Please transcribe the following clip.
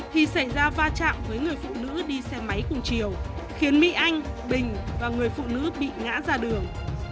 thì xảy ra va chạm với người phụ nữ đi xe máy cùng chiều khiến mỹ anh bình và người phụ nữ bị ngã ra đường